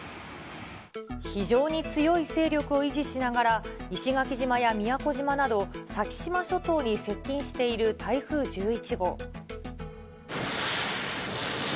非常に強い勢力を維持しながら、石垣島や宮古島など先島諸島に接近している台風１１号。